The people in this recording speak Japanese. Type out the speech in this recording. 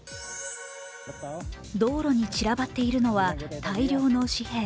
道路に散らばっているのは大量の紙幣。